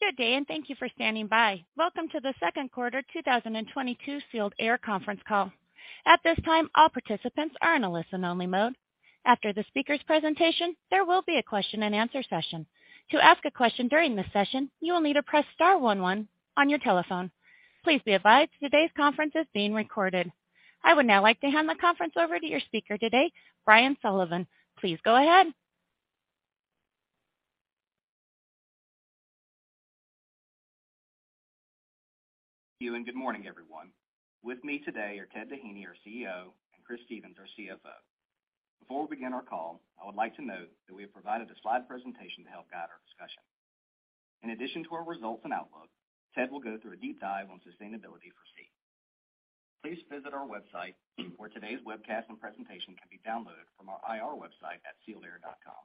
Good day, and thank you for standing by. Welcome to the second quarter 2022 Sealed Air conference call. At this time, all participants are in a listen-only mode. After the speaker's presentation, there will be a question-and-answer session. To ask a question during this session, you will need to press star one one on your telephone. Please be advised today's conference is being recorded. I would now like to hand the conference over to your speaker today, Brian Sullivan. Please go ahead. Good morning, everyone. With me today are Ted Doheny, our CEO, and Christopher Stephens, our CFO. Before we begin our call, I would like to note that we have provided a slide presentation to help guide our discussion. In addition to our results and outlook, Ted will go through a deep dive on sustainability for SEE. Please visit our website where today's webcast and presentation can be downloaded from our IR website at sealedair.com.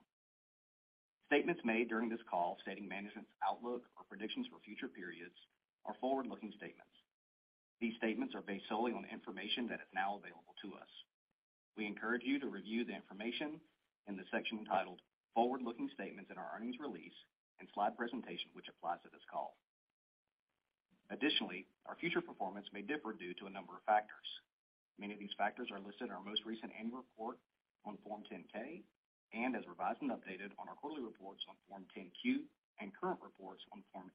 Statements made during this call stating management's outlook or predictions for future periods are forward-looking statements. These statements are based solely on the information that is now available to us. We encourage you to review the information in the section entitled Forward-Looking Statements in our earnings release and slide presentation which applies to this call. Additionally, our future performance may differ due to a number of factors. Many of these factors are listed in our most recent annual report on Form 10-K and as revised and updated on our quarterly reports on Form 10-Q and current reports on Form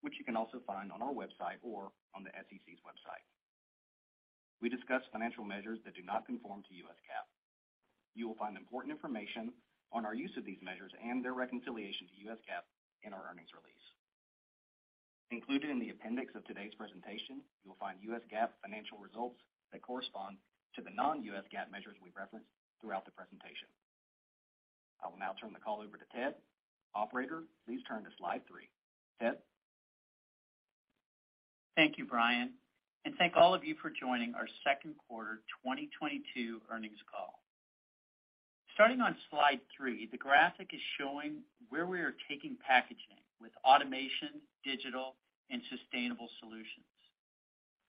8-K, which you can also find on our website or on the SEC's website. We discuss financial measures that do not conform to U.S. GAAP. You will find important information on our use of these measures and their reconciliation to U.S. GAAP in our earnings release. Included in the appendix of today's presentation, you will find U.S. GAAP financial results that correspond to the non-U.S. GAAP measures we've referenced throughout the presentation. I will now turn the call over to Ted. Operator, please turn to slide three. Ted? Thank you, Brian, and thank all of you for joining our Q2 2022 earnings call. Starting on slide 3, the graphic is showing where we are taking packaging with automation, digital, and sustainable solutions.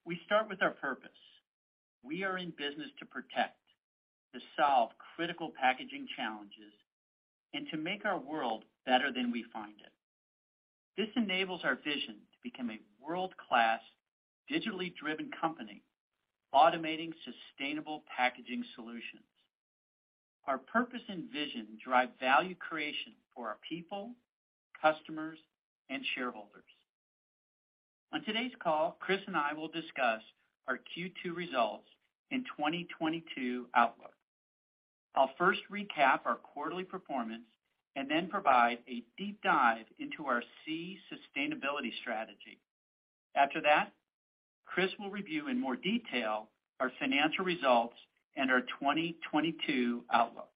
We start with our purpose. We are in business to protect, to solve critical packaging challenges, and to make our world better than we find it. This enables our vision to become a world-class digitally driven company automating sustainable packaging solutions. Our purpose and vision drive value creation for our people, customers, and shareholders. On today's call, Chris and I will discuss our Q2 results and 2022 outlook. I'll first recap our quarterly performance and then provide a deep dive into our SEE sustainability strategy. After that, Chris will review in more detail our financial results and our 2022 outlook.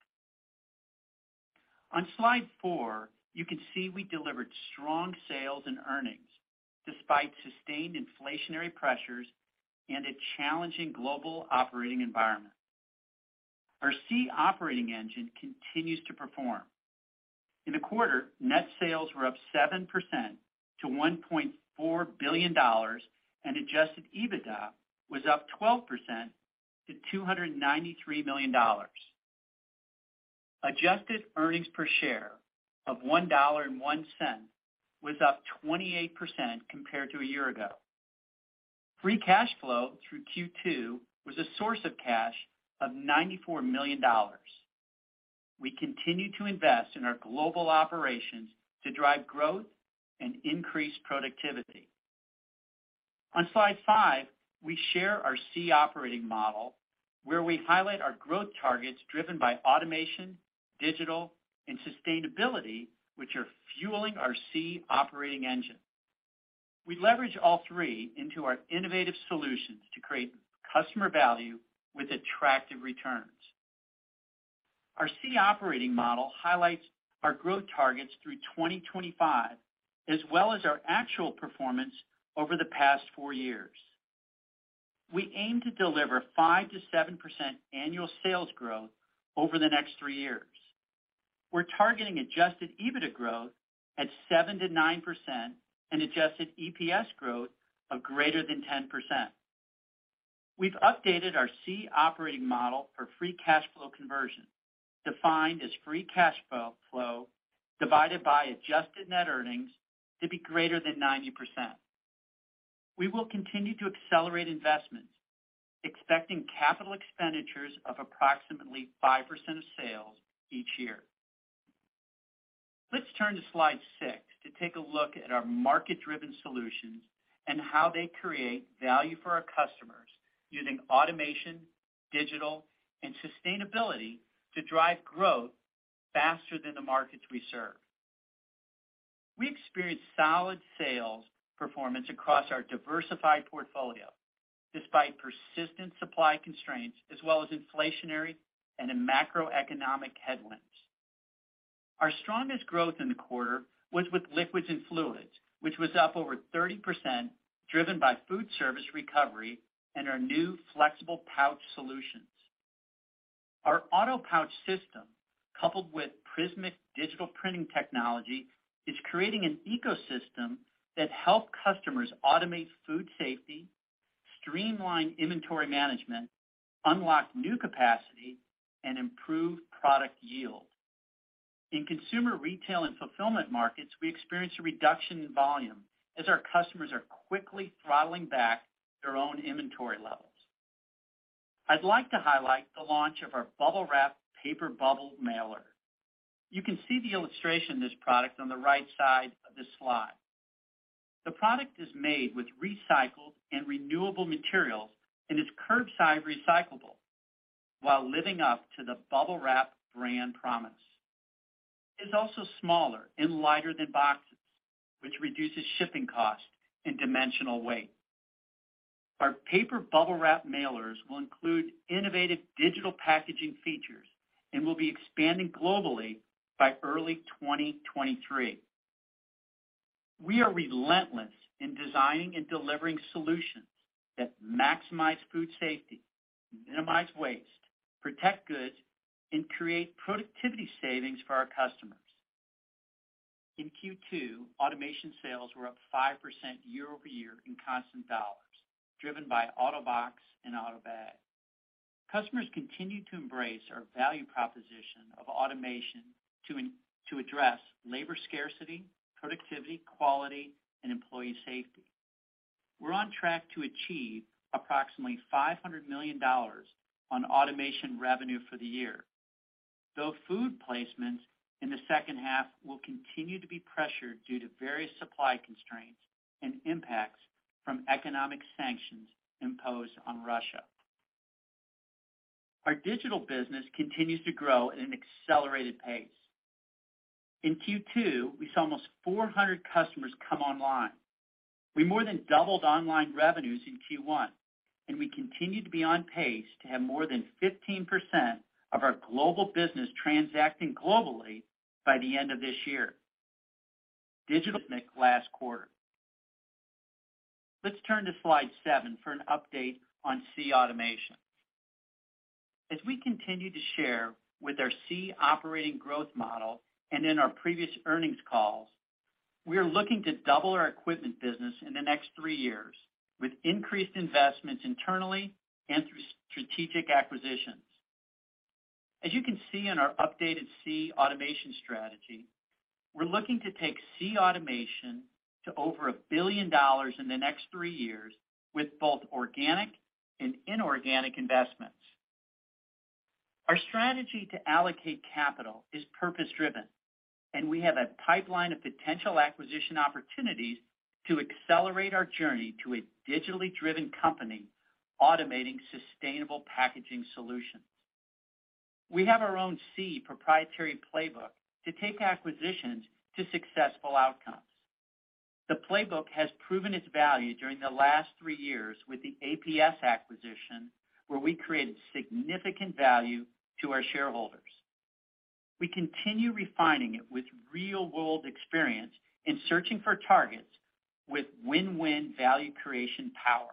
On slide four, you can see we delivered strong sales and earnings despite sustained inflationary pressures and a challenging global operating environment. Our SEE operating engine continues to perform. In the quarter, net sales were up 7% to $1.4 billion, and adjusted EBITDA was up 12% to $293 million. Adjusted earnings per share of $1.01 was up 28% compared to a year ago. Free cash flow through Q2 was a source of cash of $94 million. We continue to invest in our global operations to drive growth and increase productivity. On slide five, we share our SEE operating model, where we highlight our growth targets driven by automation, digital, and sustainability, which are fueling our SEE operating engine. We leverage all three into our innovative solutions to create customer value with attractive returns. Our SEE Operating Model highlights our growth targets through 2025, as well as our actual performance over the past 4 years. We aim to deliver 5%-7% annual sales growth over the next 3 years. We're targeting adjusted EBITDA growth at 7%-9% and adjusted EPS growth of greater than 10%. We've updated our SEE Operating Model for free cash flow conversion, defined as free cash flow divided by adjusted net earnings to be greater than 90%. We will continue to accelerate investments, expecting capital expenditures of approximately 5% of sales each year. Let's turn to slide 6 to take a look at our market-driven solutions and how they create value for our customers using automation, digital, and sustainability to drive growth faster than the markets we serve. We experienced solid sales performance across our diversified portfolio despite persistent supply constraints as well as inflationary and macroeconomic headwinds. Our strongest growth in the quarter was with liquids and fluids, which was up over 30%, driven by food service recovery and our new flexible pouch solutions. Our AUTOPouch system, coupled with prismiq digital printing technology, is creating an ecosystem that help customers automate food safety, streamline inventory management, unlock new capacity, and improve product yield. In consumer retail and fulfillment markets, we experienced a reduction in volume as our customers are quickly throttling back their own inventory levels. I'd like to highlight the launch of our Bubble Wrap paper bubble mailer. You can see the illustration of this product on the right side of this slide. The product is made with recycled and renewable materials and is curbside recyclable while living up to the Bubble Wrap brand promise. It's also smaller and lighter than boxes, which reduces shipping costs and dimensional weight. Our paper Bubble Wrap mailers will include innovative digital packaging features and will be expanding globally by early 2023. We are relentless in designing and delivering solutions that maximize food safety, minimize waste, protect goods, and create productivity savings for our customers. In Q2, automation sales were up 5% year-over-year in constant dollars, driven by Autobox and AUTOBAG. Customers continued to embrace our value proposition of automation to address labor scarcity, productivity, quality, and employee safety. We're on track to achieve approximately $500 million on automation revenue for the year, though food placements in the second half will continue to be pressured due to various supply constraints and impacts from economic sanctions imposed on Russia. Our digital business continues to grow at an accelerated pace. In Q2, we saw almost 400 customers come online. We more than doubled online revenues in Q1, and we continue to be on pace to have more than 15% of our global business transacting globally by the end of this year. Digital last quarter. Let's turn to slide 7 for an update on SEE Automation. As we continue to share with our SEE operating growth model and in our previous earnings calls, we are looking to double our equipment business in the next three years with increased investments internally and through strategic acquisitions. As you can see in our updated SEE Automation strategy, we're looking to take SEE Automation to over $1 billion in the next three years with both organic and inorganic investments. Our strategy to allocate capital is purpose-driven, and we have a pipeline of potential acquisition opportunities to accelerate our journey to a digitally driven company automating sustainable packaging solutions. We have our own SEE proprietary playbook to take acquisitions to successful outcomes. The playbook has proven its value during the last three years with the APS acquisition, where we created significant value to our shareholders. We continue refining it with real-world experience and searching for targets with win-win value creation power.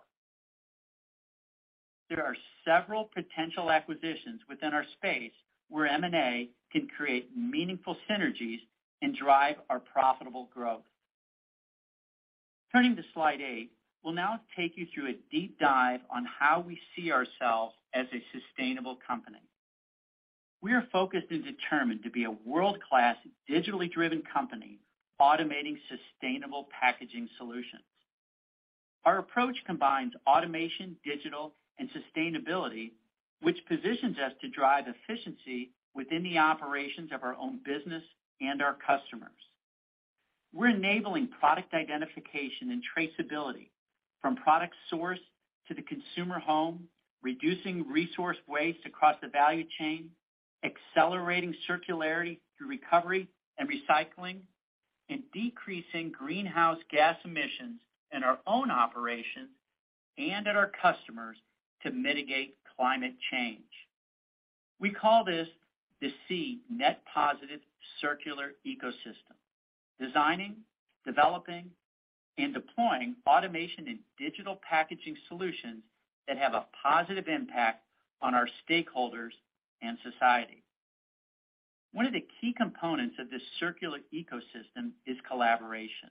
There are several potential acquisitions within our space where M&A can create meaningful synergies and drive our profitable growth. Turning to slide eight, we'll now take you through a deep dive on how we see ourselves as a sustainable company. We are focused and determined to be a world-class digitally driven company automating sustainable packaging solutions. Our approach combines automation, digital, and sustainability, which positions us to drive efficiency within the operations of our own business and our customers. We're enabling product identification and traceability from product source to the consumer home, reducing resource waste across the value chain, accelerating circularity through recovery and recycling, and decreasing greenhouse gas emissions in our own operations and at our customers to mitigate climate change. We call this the SEE Net Positive Circular Ecosystem. Designing, developing, and deploying automation and digital packaging solutions that have a positive impact on our stakeholders and society. One of the key components of this circular ecosystem is collaboration.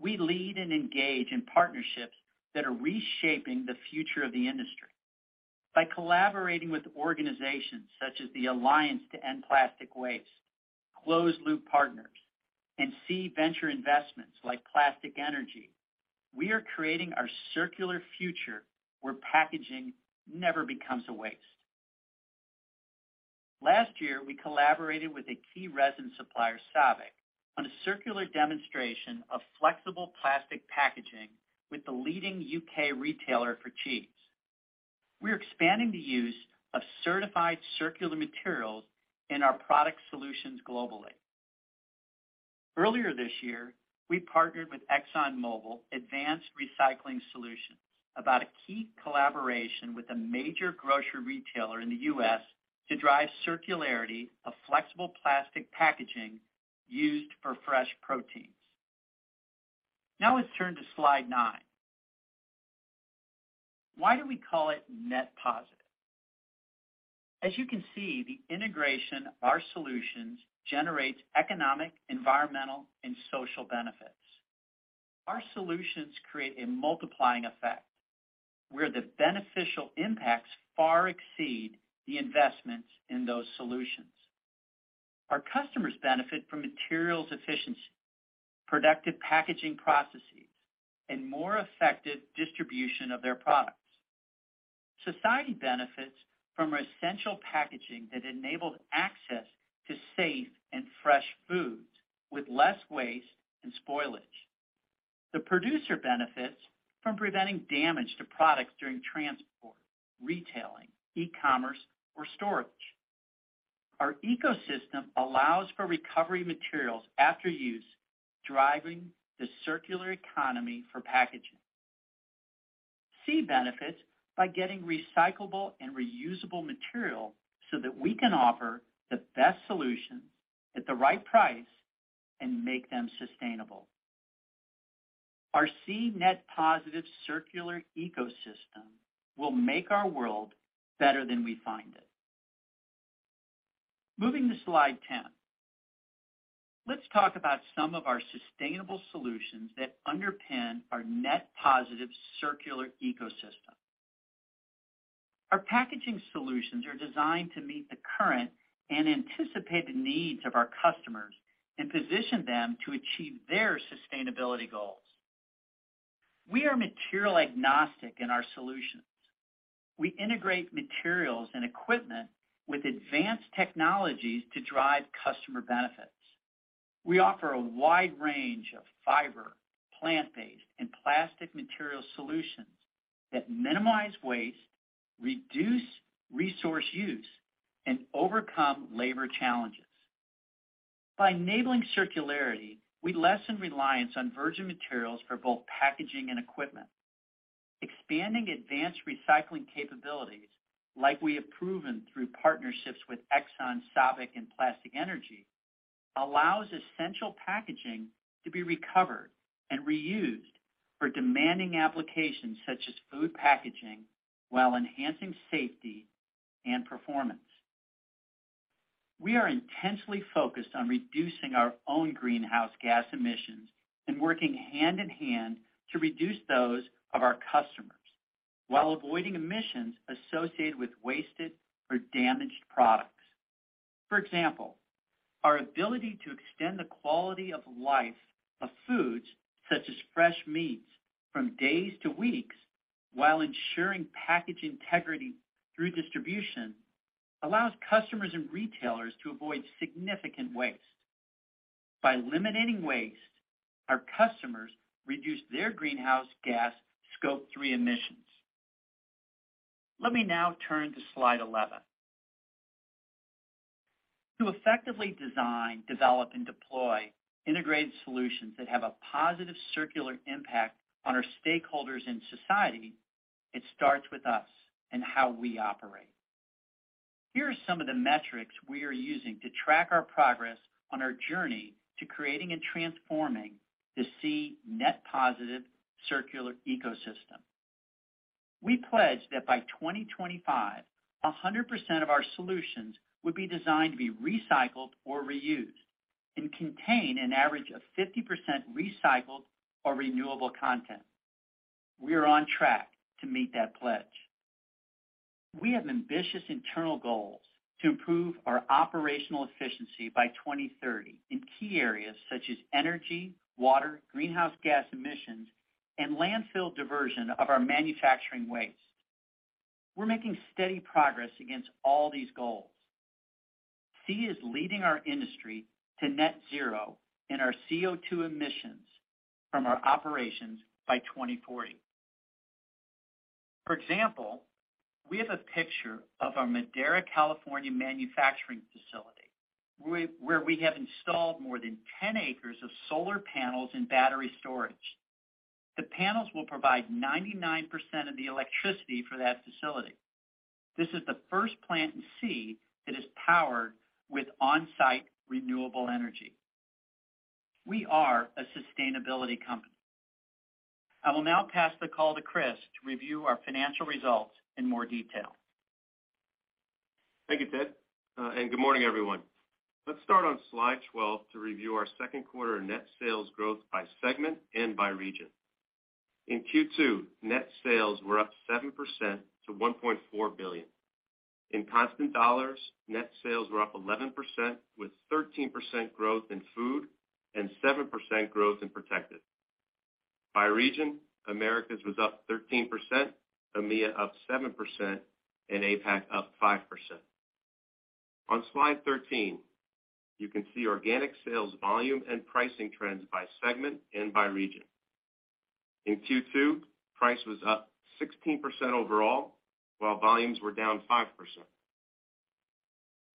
We lead and engage in partnerships that are reshaping the future of the industry. By collaborating with organizations such as the Alliance to End Plastic Waste, Closed Loop Partners, and SEE venture investments like Plastic Energy, we are creating our circular future where packaging never becomes a waste. Last year, we collaborated with a key resin supplier, SABIC, on a circular demonstration of flexible plastic packaging with the leading U.K. retailer for cheese. We're expanding the use of certified circular materials in our product solutions globally. Earlier this year, we partnered with ExxonMobil Advanced Recycling about a key collaboration with a major grocery retailer in the U.S. to drive circularity of flexible plastic packaging used for fresh proteins. Now, let's turn to slide 9. Why do we call it net positive? As you can see, the integration of our solutions generates economic, environmental, and social benefits. Our solutions create a multiplying effect where the beneficial impacts far exceed the investments in those solutions. Our customers benefit from materials efficiency, productive packaging processes, and more effective distribution of their products. Society benefits from essential packaging that enables access to safe and fresh foods with less waste and spoilage. The producer benefits from preventing damage to products during transport, retailing, e-commerce or storage. Our ecosystem allows for recovery materials after use, driving the circular economy for packaging. SEE benefits by getting recyclable and reusable material so that we can offer the best solutions at the right price and make them sustainable. Our SEE Net Positive Circular Ecosystem will make our world better than we find it. Moving to slide 10, let's talk about some of our sustainable solutions that underpin our net positive circular ecosystem. Our packaging solutions are designed to meet the current and anticipated needs of our customers and position them to achieve their sustainability goals. We are material agnostic in our solutions. We integrate materials and equipment with advanced technologies to drive customer benefits. We offer a wide range of fiber, plant-based, and plastic material solutions that minimize waste, reduce resource use, and overcome labor challenges. By enabling circularity, we lessen reliance on virgin materials for both packaging and equipment. Expanding advanced recycling capabilities like we have proven through partnerships with Exxon, SABIC, and Plastic Energy, allows essential packaging to be recovered and reused for demanding applications such as food packaging while enhancing safety and performance. We are intensely focused on reducing our own greenhouse gas emissions and working hand in hand to reduce those of our customers while avoiding emissions associated with wasted or damaged products. For example, our ability to extend the quality of life of foods such as fresh meats from days to weeks while ensuring package integrity through distribution, allows customers and retailers to avoid significant waste. By eliminating waste, our customers reduce their greenhouse gas Scope 3 emissions. Let me now turn to slide 11. To effectively design, develop, and deploy integrated solutions that have a positive circular impact on our stakeholders in society, it starts with us and how we operate. Here are some of the metrics we are using to track our progress on our journey to creating and transforming the SEE Net Positive Circular Ecosystem. We pledged that by 2025 100% of our solutions would be designed to be recycled or reused and contain an average of 50% recycled or renewable content. We are on track to meet that pledge. We have ambitious internal goals to improve our operational efficiency by 2030 in key areas such as energy, water, greenhouse gas emissions, and landfill diversion of our manufacturing waste. We're making steady progress against all these goals. SEE is leading our industry to net zero in our CO2 emissions from our operations by 2040. For example, we have a picture of our Madera, California manufacturing facility where we have installed more than 10 acres of solar panels and battery storage. The panels will provide 99% of the electricity for that facility. This is the first plant in SEE that is powered with on-site renewable energy. We are a sustainability company. I will now pass the call to Chris to review our financial results in more detail. Thank you, Ted, and good morning, everyone. Let's start on slide 12 to review our second quarter net sales growth by segment and by region. In Q2, net sales were up 7% to $1.4 billion. In constant dollars, net sales were up 11% with 13% growth in Food and 7% growth in Protective. By region, Americas was up 13%, EMEA up 7%, and APAC up 5%. On slide 13, you can see organic sales volume and pricing trends by segment and by region. In Q2, price was up 16% overall while volumes were down 5%.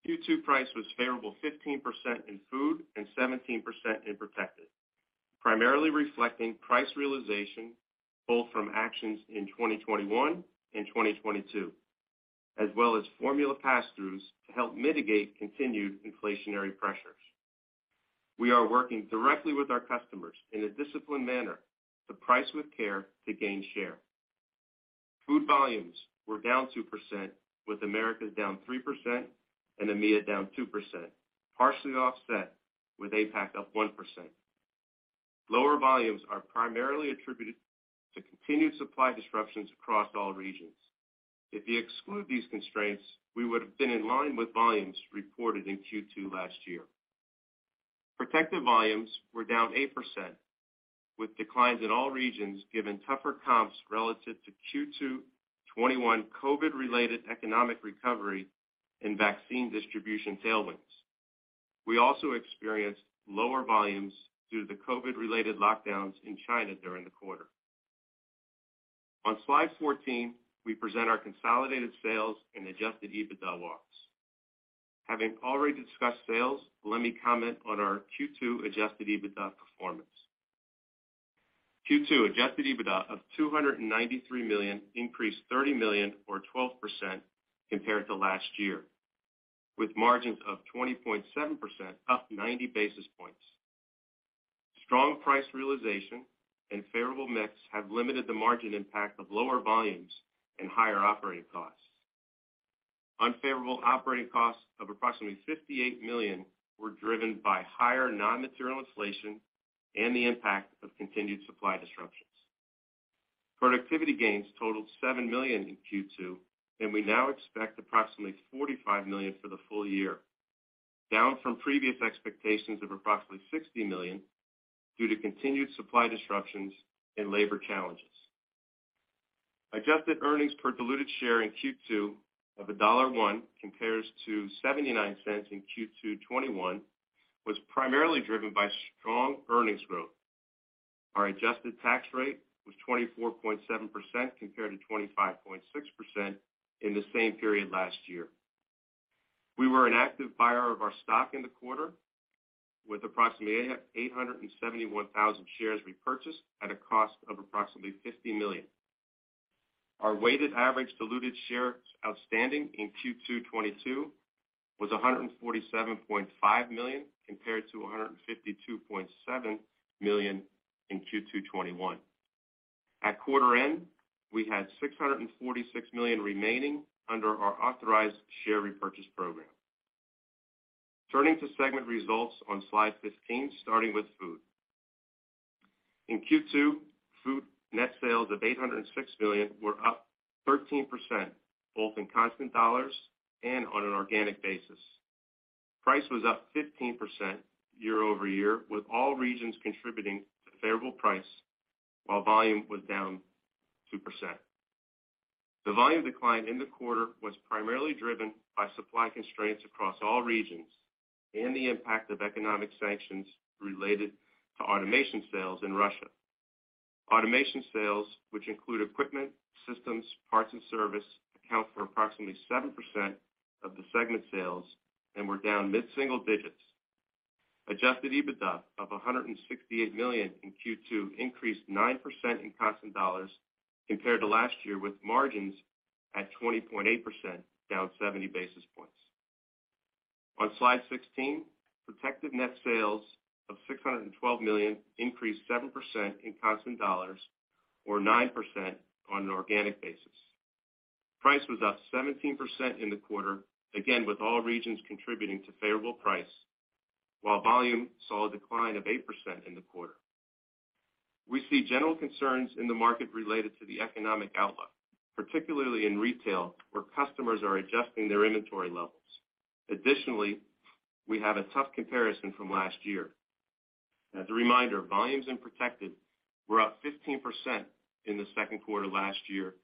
Q2 price was favorable 15% in Food and 17% in Protective, primarily reflecting price realization both from actions in 2021 and 2022, as well as formula pass-throughs to help mitigate continued inflationary pressures. We are working directly with our customers in a disciplined manner to price with care to gain share. Food volumes were down 2%, with Americas down 3% and EMEA down 2%, partially offset with APAC up 1%. Lower volumes are primarily attributed to continued supply disruptions across all regions. If you exclude these constraints, we would have been in line with volumes reported in Q2 last year. Protective volumes were down 8%, with declines in all regions given tougher comps relative to Q2 2021 COVID-related economic recovery and vaccine distribution tailwinds. We also experienced lower volumes due to the COVID-related lockdowns in China during the quarter. On slide 14, we present our consolidated sales and adjusted EBITDA walks. Having already discussed sales, let me comment on our Q2 adjusted EBITDA performance. Q2 adjusted EBITDA of $293 million increased $30 million or 12% compared to last year, with margins of 20.7% up 90 basis points. Strong price realization and favorable mix have limited the margin impact of lower volumes and higher operating costs. Unfavorable operating costs of approximately $58 million were driven by higher non-material inflation and the impact of continued supply disruptions. Productivity gains totaled $7 million in Q2, and we now expect approximately $45 million for the full year, down from previous expectations of approximately $60 million due to continued supply disruptions and labor challenges. Adjusted earnings per diluted share in Q2 2022 of $1 compares to $0.79 in Q2 2021. This was primarily driven by strong earnings growth. Our adjusted tax rate was 24.7% compared to 25.6% in the same period last year. We were an active buyer of our stock in the quarter with approximately 871,000 shares repurchased at a cost of approximately $50 million. Our weighted average diluted shares outstanding in Q2 2022 was 147.5 million compared to 152.7 million in Q2 2021. At quarter end, we had $646 million remaining under our authorized share repurchase program. Turning to segment results on slide 15, starting with Food. In Q2, food net sales of $806 million were up 13%, both in constant dollars and on an organic basis. Price was up 15% year-over-year, with all regions contributing to favorable price while volume was down 2%. The volume decline in the quarter was primarily driven by supply constraints across all regions and the impact of economic sanctions related to automation sales in Russia. Automation sales, which include equipment, systems, parts and service, account for approximately 7% of the segment sales and were down mid-single digits. Adjusted EBITDA of $168 million in Q2 increased 9% in constant dollars compared to last year, with margins at 20.8% down 70 basis points. On slide 16, Protective net sales of $612 million increased 7% in constant dollars or 9% on an organic basis. Price was up 17% in the quarter, again with all regions contributing to favorable price, while volume saw a decline of 8% in the quarter. We see general concerns in the market related to the economic outlook, particularly in retail, where customers are adjusting their inventory levels. Additionally, we have a tough comparison from last year. As a reminder, volumes in Protective were up 15% in the second quarter last year,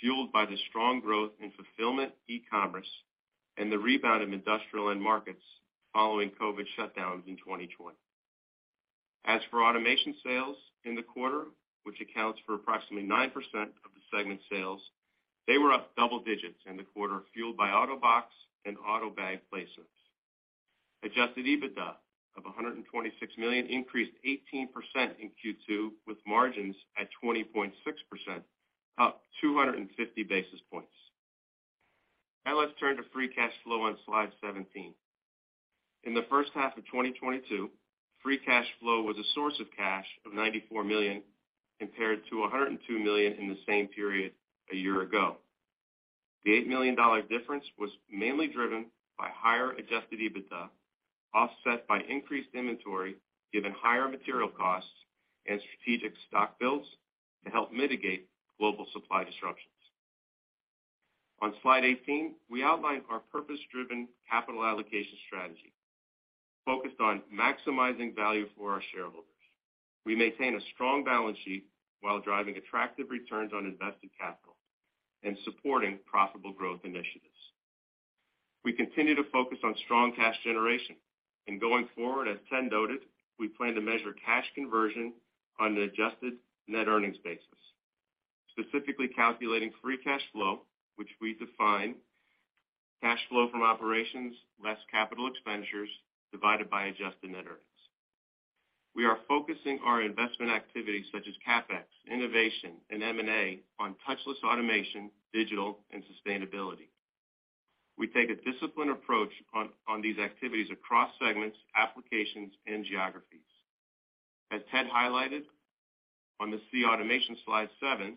fueled by the strong growth in fulfillment, e-commerce and the rebound in industrial end markets following COVID shutdowns in 2020. As for automation sales in the quarter, which accounts for approximately 9% of the segment sales, they were up double digits in the quarter, fueled by Autobox and AUTOBAG placements. Adjusted EBITDA of $126 million increased 18% in Q2, with margins at 20.6%, up 250 basis points. Now let's turn to free cash flow on slide 17. In the first half of 2022, free cash flow was a source of cash of $94 million compared to $102 million in the same period a year ago. The $8 million difference was mainly driven by higher adjusted EBITDA, offset by increased inventory given higher material costs and strategic stock builds to help mitigate global supply disruptions. On slide 18, we outlined our purpose-driven capital allocation strategy focused on maximizing value for our shareholders. We maintain a strong balance sheet while driving attractive returns on invested capital and supporting profitable growth initiatives. We continue to focus on strong cash generation. Going forward, as Ken noted, we plan to measure cash conversion on an adjusted net earnings basis, specifically calculating free cash flow, which we define cash flow from operations less capital expenditures divided by adjusted net earnings. We are focusing our investment activities such as CapEx, innovation, and M&A on touchless automation, digital, and sustainability. We take a disciplined approach on these activities across segments, applications, and geographies. As Ted highlighted on the SEE Automation slide 7,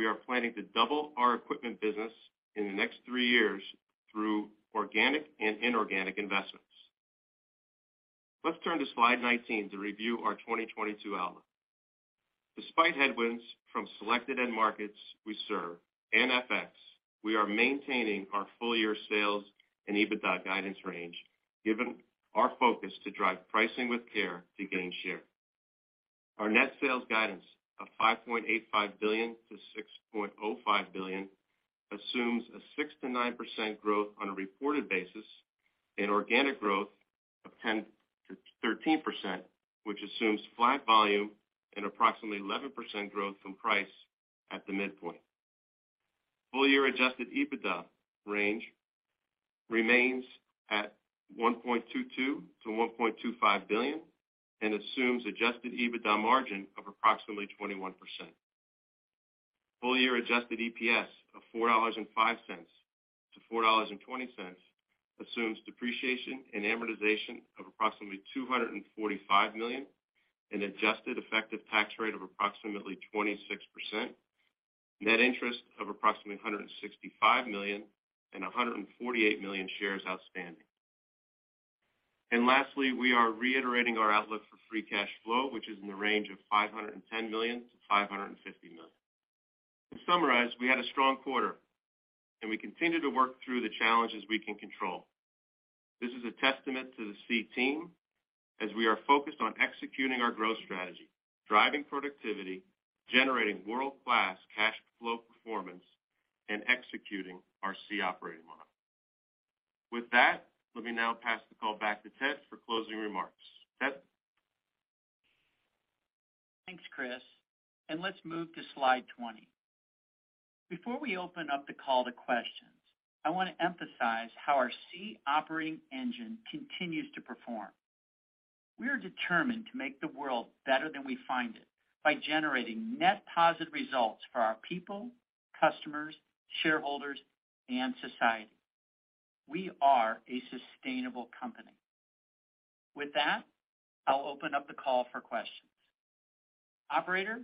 we are planning to double our equipment business in the next 3 years through organic and inorganic investments. Let's turn to slide 19 to review our 2022 outlook. Despite headwinds from selected end markets we serve, and FX, we are maintaining our full-year sales and EBITDA guidance range given our focus to drive pricing with care to gain share. Our net sales guidance of $5.85 billion-$6.05 billion assumes a 6%-9% growth on a reported basis and organic growth of 10%-13%, which assumes flat volume and approximately 11% growth from price at the midpoint. Full year adjusted EBITDA range remains at $1.22 billion-$1.25 billion and assumes adjusted EBITDA margin of approximately 21%. Full year adjusted EPS of $4.05-$4.20 assumes depreciation and amortization of approximately $245 million, an adjusted effective tax rate of approximately 26%, net interest of approximately $165 million, and 148 million shares outstanding. Lastly, we are reiterating our outlook for free cash flow, which is in the range of $510 million-$550 million. To summarize, we had a strong quarter and we continue to work through the challenges we can control. This is a testament to the SEE team as we are focused on executing our growth strategy, driving productivity, generating world-class cash flow performance, and executing our SEE Operating Model. With that, let me now pass the call back to Ted for closing remarks. Ted? Thanks, Chris, and let's move to slide 20. Before we open up the call to questions, I wanna emphasize how our SEE Operating Engine continues to perform. We are determined to make the world better than we find it by generating net positive results for our people, customers, shareholders, and society. We are a sustainable company. With that, I'll open up the call for questions. Operator?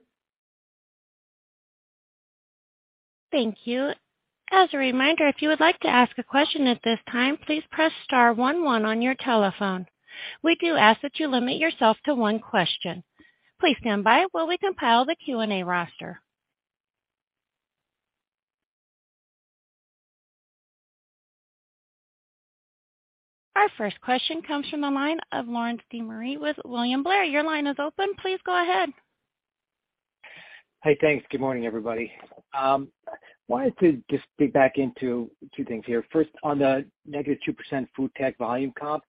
Thank you. As a reminder, if you would like to ask a question at this time, please press star one one on your telephone. We do ask that you limit yourself to one question. Please stand by while we compile the Q&A roster. Our first question comes from the line of Lawrence De Maria with William Blair. Your line is open. Please go ahead. Hey, thanks. Good morning, everybody. Wanted to just dig back into two things here. First, on the negative 2% food tech volume comp,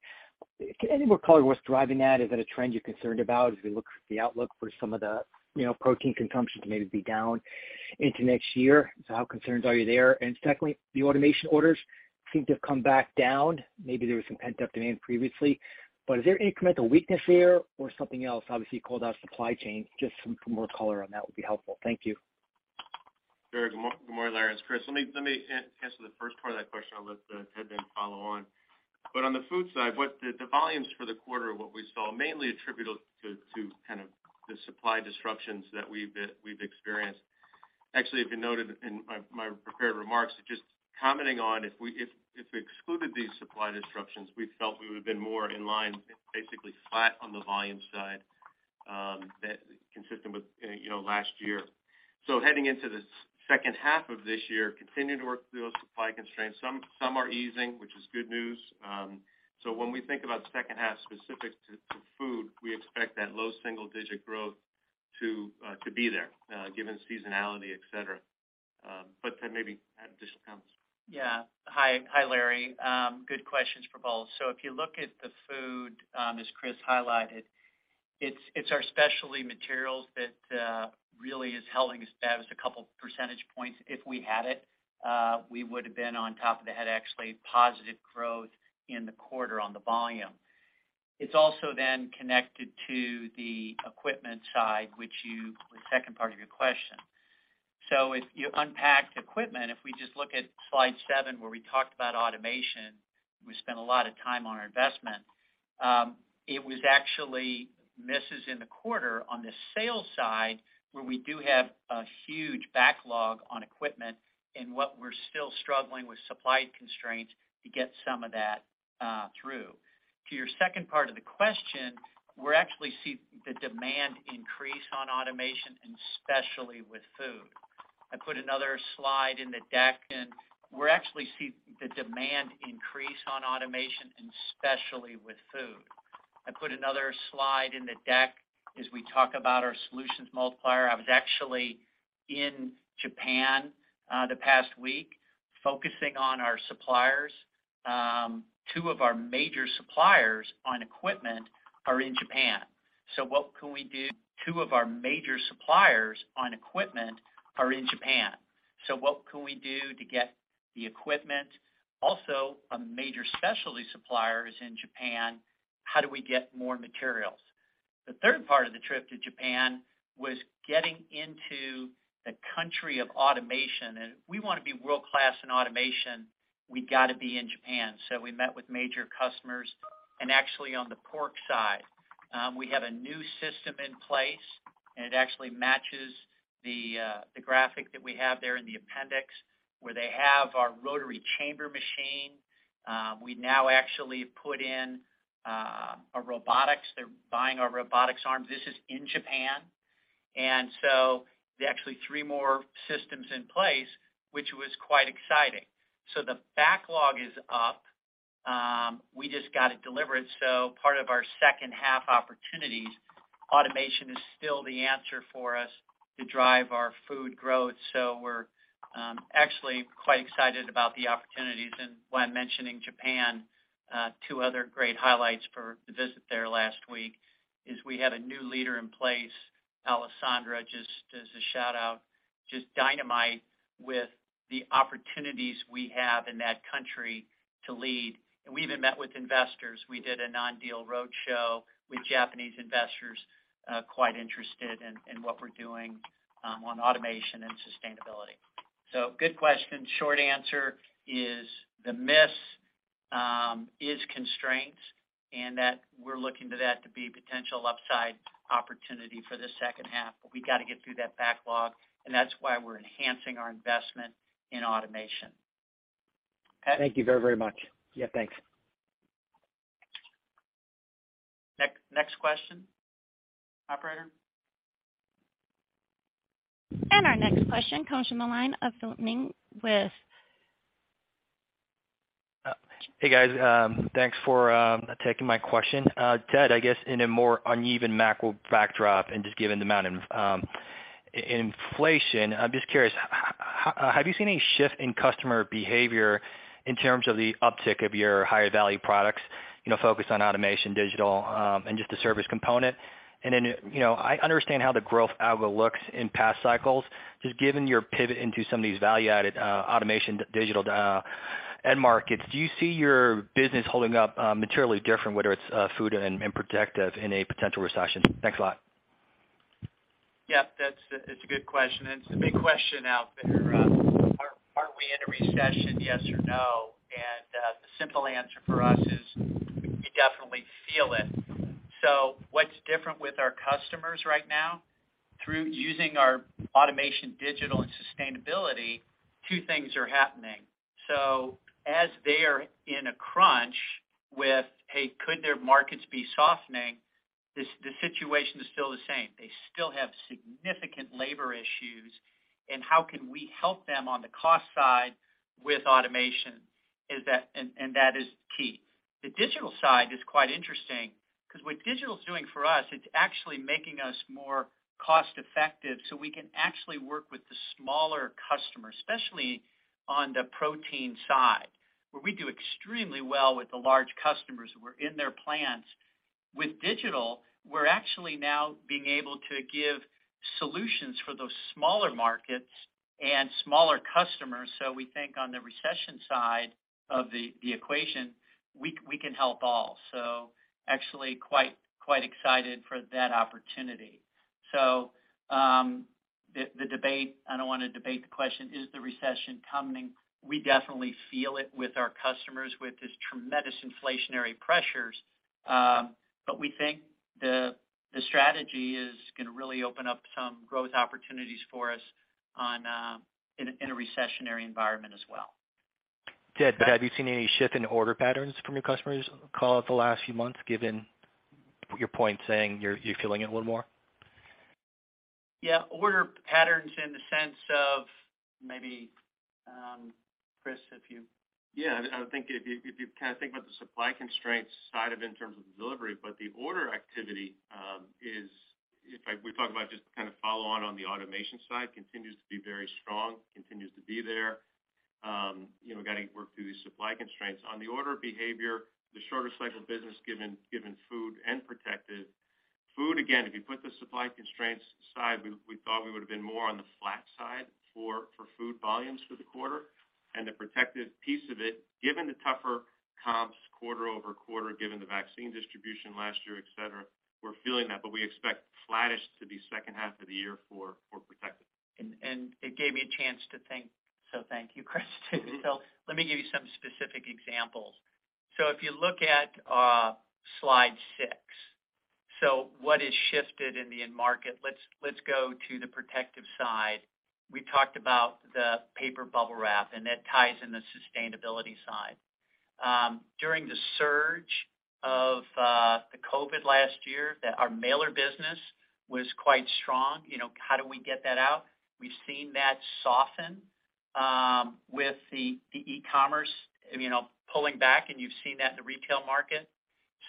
any more color what's driving that? Is that a trend you're concerned about as we look at the outlook for some of the, you know, protein consumption to maybe be down into next year? How concerned are you there? Secondly, the automation orders seem to have come back down. Maybe there was some pent-up demand previously, but is there any incremental weakness there or something else obviously called out supply chain? Just some more color on that would be helpful. Thank you. Sure. Good morning, Larry. It's Chris. Let me answer the first part of that question. I'll let Ted then follow on. On the food side, what the volumes for the quarter, what we saw mainly attributable to kind of the supply disruptions that we've experienced. Actually, if you noted in my prepared remarks, just commenting on if we excluded these supply disruptions, we felt we would have been more in line, basically flat on the volume side, that's consistent with, you know, last year. Heading into the second half of this year, continue to work through those supply constraints. Some are easing, which is good news. When we think about second half specific to food, we expect that low single digit growth to be there, given seasonality, et cetera. Ted, maybe add additional comments. Yeah. Hi. Hi, Larry. Good questions for both. If you look at the food, as Chris highlighted, it's our specialty materials that really is holding us back as a couple percentage points. If we had it, we would've been ahead, actually positive growth in the quarter on the volume. It's also then connected to the equipment side, the second part of your question. If you unpacked equipment, if we just look at slide seven where we talked about automation, we spent a lot of time on our investment. It was actually misses in the quarter on the sales side where we do have a huge backlog on equipment and what we're still struggling with supply constraints to get some of that through. To your second part of the question, we're actually see the demand increase on automation and especially with food. I put another slide in the deck as we talk about our solutions multiplier. I was actually in Japan, the past week focusing on our suppliers. Two of our major suppliers on equipment are in Japan. So what can we do to get the equipment? Also, a major specialty supplier is in Japan. How do we get more materials? The third part of the trip to Japan was getting into the country of automation, and if we wanna be world-class in automation, we got to be in Japan. So we met with major customers. Actually, on the pork side, we have a new system in place, and it actually matches the graphic that we have there in the appendix, where they have our rotary chamber machine. We now actually put in a robotics. They're buying our robotics arm. This is in Japan. There are actually three more systems in place, which was quite exciting. The backlog is up. We just got it delivered, so part of our second half opportunities. Automation is still the answer for us to drive our food growth. We're actually quite excited about the opportunities. While mentioning Japan, two other great highlights for the visit there last week is we had a new leader in place, Alessandra, just to shout out, just dynamite with the opportunities we have in that country to lead. We even met with investors. We did a non-deal roadshow with Japanese investors, quite interested in what we're doing on automation and sustainability. Good question. Short answer is the miss is constraints, and that we're looking to that to be potential upside opportunity for the second half. We got to get through that backlog, and that's why we're enhancing our investment in automation. Pat? Thank you very, very much. Yeah, thanks. Next question. Operator? Our next question comes from the line of Philip Ng with Hey, guys. Thanks for taking my question. Ted, I guess in a more uneven macro backdrop and just given the amount of inflation, I'm just curious, have you seen any shift in customer behavior in terms of the uptick of your higher value products, you know, focused on automation, digital, and just the service component? You know, I understand how the growth algo looks in past cycles. Just given your pivot into some of these value-added automation, digital end markets, do you see your business holding up materially different, whether it's food and protective in a potential recession? Thanks a lot. Yeah, that's it. It's a good question, and it's the big question out there. Are we in a recession, yes or no? The simple answer for us is we definitely feel it. What's different with our customers right now, through using our automation, digital, and sustainability, two things are happening. As they are in a crunch with, hey, could their markets be softening, this, the situation is still the same. They still have significant labor issues and how can we help them on the cost side with automation is that. That is key. The digital side is quite interesting because what digital is doing for us, it's actually making us more cost-effective, so we can actually work with the smaller customers, especially on the protein side, where we do extremely well with the large customers who are in their plants. With digital, we're actually now being able to give solutions for those smaller markets and smaller customers. We think on the recession side of the equation, we can help all. Actually quite excited for that opportunity. The debate, I don't wanna debate the question, is the recession coming? We definitely feel it with our customers with these tremendous inflationary pressures. We think the strategy is gonna really open up some growth opportunities for us in a recessionary environment as well. Ted, have you seen any shift in order patterns from your customers, call it the last few months, given your point saying you're feeling it a little more? Yeah. Order patterns in the sense of maybe, Chris, if you Yeah. I think if you kind of think about the supply constraints side of it in terms of delivery, but the order activity is, if we talk about just kind of follow on the automation side, continues to be very strong, continues to be there. You know, gotta work through these supply constraints. On the order behavior, the shorter cycle business given food and protective. Food, again, if you put the supply constraints aside, we thought we would have been more on the flat side for food volumes for the quarter. The protective piece of it, given the tougher comps quarter over quarter, given the vaccine distribution last year, et cetera, we're feeling that, but we expect flattish to be second half of the year for protective. It gave me a chance to think, so thank you, Chris. Let me give you some specific examples. If you look at slide six. What has shifted in the end market? Let's go to the protective side. We talked about the paper bubble wrap, and that ties in the sustainability side. During the surge of the COVID last year, our mailer business was quite strong. You know, how do we get that out? We've seen that soften with the e-commerce, you know, pulling back, and you've seen that in the retail market.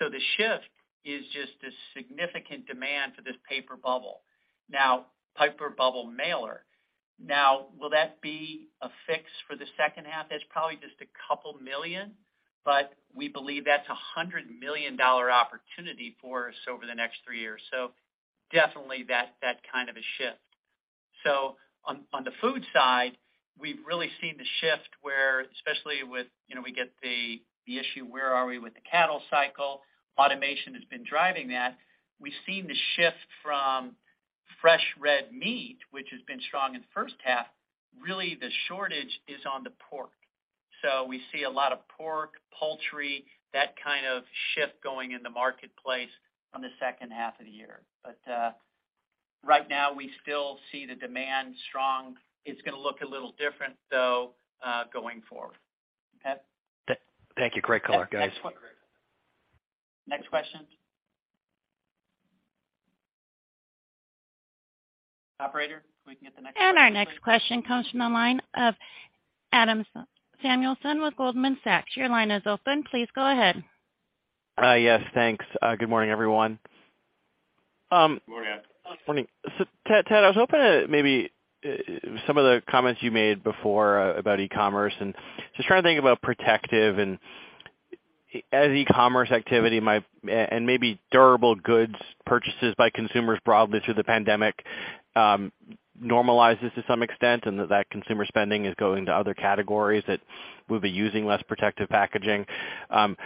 The shift is just this significant demand for this paper bubble. Now, paper bubble mailer. Will that be a fix for the second half? That's probably just $2 million. We believe that's a $100 million opportunity for us over the next three years. Definitely that kind of a shift. The food side, we've really seen the shift where especially with, you know, we get the issue, where are we with the cattle cycle? Automation has been driving that. We've seen the shift from fresh red meat, which has been strong in the first half. Really, the shortage is on the pork. So we see a lot of pork, poultry, that kind of shift going in the marketplace on the second half of the year. But right now, we still see the demand strong. It's gonna look a little different, though, going forward. Pat? Thank you. Great color, guys. Next one. Next question. Operator, can we get the next question, please? Our next question comes from the line of Adam Samuelson with Goldman Sachs. Your line is open. Please go ahead. Yes, thanks. Good morning, everyone. Good morning, Adam. Morning. Ted, I was hoping to maybe some of the comments you made before about e-commerce, and just trying to think about protective and as e-commerce activity might and maybe durable goods purchases by consumers broadly through the pandemic normalizes to some extent, and that consumer spending is going to other categories that we'll be using less protective packaging.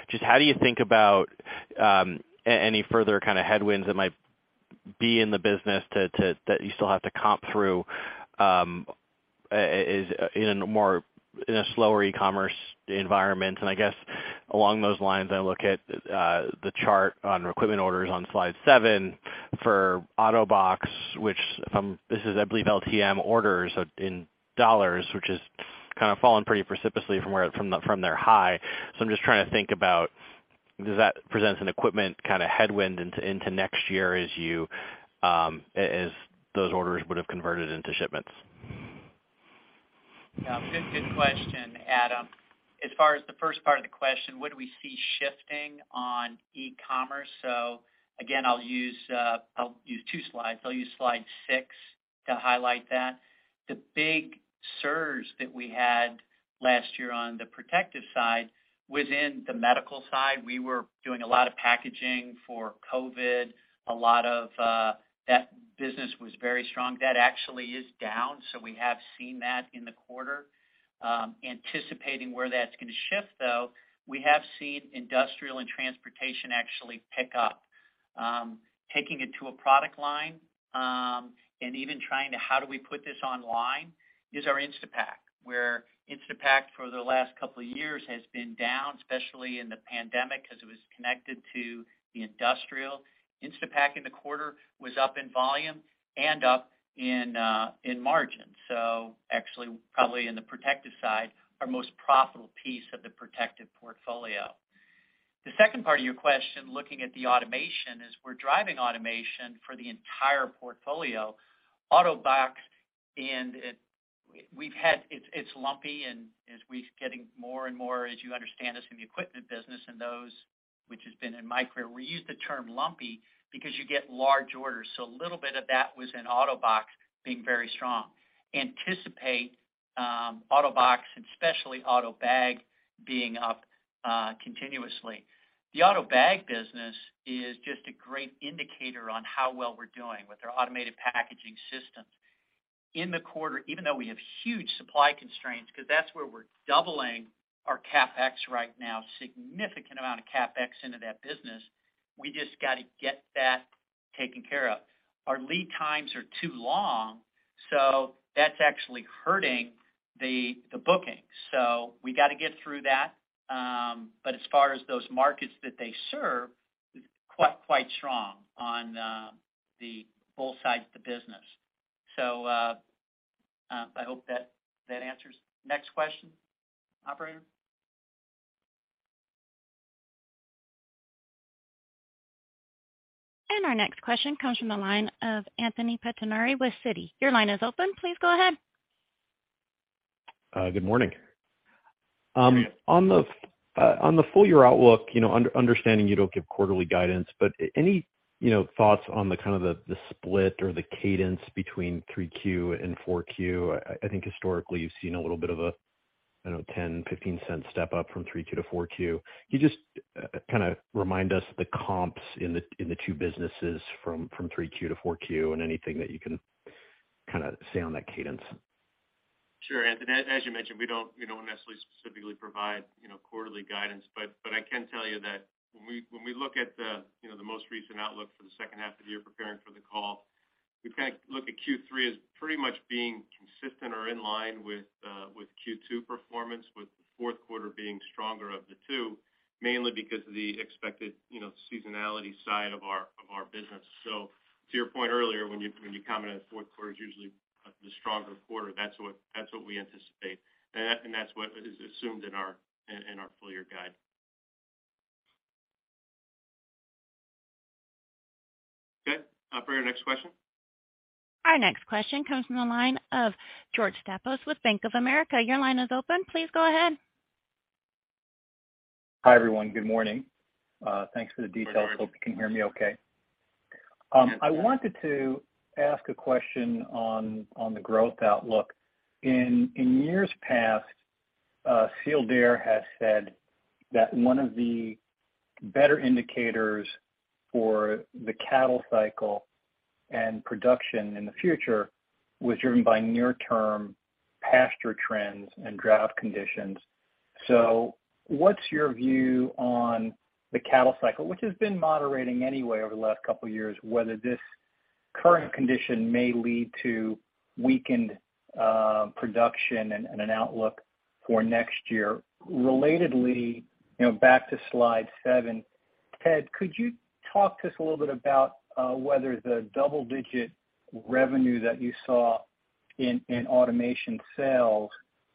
Just how do you think about any further kind of headwinds that might be in the business that you still have to comp through in a slower e-commerce environment? I guess along those lines, I look at the chart on equipment orders on slide 7 for AUTOBAG, which this is, I believe, LTM orders in dollars, which has kind of fallen pretty precipitously from their high. I'm just trying to think about does that present an equipment kind of headwind into next year as you, as those orders would have converted into shipments? Good question, Adam. As far as the first part of the question, what do we see shifting on e-commerce? Again, I'll use two slides. I'll use slide six to highlight that. The big surge that we had last year on the protective side was in the medical side. We were doing a lot of packaging for COVID. A lot of that business was very strong. That actually is down, so we have seen that in the quarter. Anticipating where that's gonna shift, though, we have seen industrial and transportation actually pick up. Taking it to a product line, and even trying to how do we put this online is our Instapak. Where Instapak for the last couple of years has been down, especially in the pandemic, 'cause it was connected to the industrial. Instapak in the quarter was up in volume and up in margin. Actually, probably in the protective side, our most profitable piece of the protective portfolio. The second part of your question, looking at the automation, is we're driving automation for the entire portfolio. AUTOBAG. It's lumpy and as we're getting more and more, as you understand this, in the equipment business and those which has been in my career. We use the term lumpy because you get large orders. A little bit of that was in AUTOBAG being very strong. Anticipate AUTOBAG and especially AUTOBAG being up continuously. The AUTOBAG business is just a great indicator on how well we're doing with our automated packaging systems. In the quarter, even though we have huge supply constraints, 'cause that's where we're doubling our CapEx right now, significant amount of CapEx into that business. We just got to get that taken care of. Our lead times are too long, so that's actually hurting the bookings. We got to get through that. But as far as those markets that they serve, quite strong on the both sides of the business. I hope that answers. Next question, operator. Our next question comes from the line of Anthony Pettinari with Citi. Your line is open. Please go ahead. Good morning. Good morning. On the full year outlook, you know, understanding you don't give quarterly guidance, but any, you know, thoughts on the kind of split or the cadence between three Q and four Q? I think historically, you've seen a little bit of a, I don't know, $0.10-$0.15 step up from three Q to four Q. Can you just kind of remind us the comps in the two businesses from three Q to four Q and anything that you can kind of say on that cadence? Sure, Anthony. As you mentioned, we don't necessarily specifically provide, you know, quarterly guidance. I can tell you that when we look at you know the most recent outlook for the second half of the year preparing for the call, we've kind of looked at Q3 as pretty much being consistent or in line with Q2 performance, with the fourth quarter being stronger of the two, mainly because of the expected you know seasonality side of our business. To your point earlier, when you commented fourth quarter is usually the stronger quarter, that's what we anticipate. That's what is assumed in our full year guide. Okay. Operator, next question. Our next question comes from the line of George Staphos with Bank of America. Your line is open. Please go ahead. Hi, everyone. Good morning. Thanks for the details. Good morning. Hope you can hear me okay. Yes, sir. I wanted to ask a question on the growth outlook. In years past, Sealed Air has said that one of the better indicators for the cattle cycle and production in the future was driven by near-term pasture trends and drought conditions. What's your view on the cattle cycle, which has been moderating anyway over the last couple of years, whether this current condition may lead to weakened production and an outlook for next year. Relatedly, you know, back to slide seven. Ted, could you talk to us a little bit about whether the double-digit revenue that you saw in automation sales